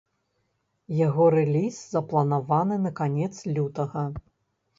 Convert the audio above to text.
Яго рэліз запланаваны на канец лютага.